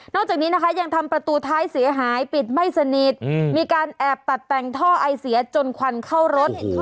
จากนี้นะคะยังทำประตูท้ายเสียหายปิดไม่สนิทมีการแอบตัดแต่งท่อไอเสียจนควันเข้ารถ